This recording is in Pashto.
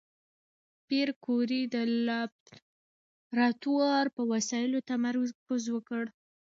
پېیر کوري د لابراتوار په وسایلو تمرکز وکړ.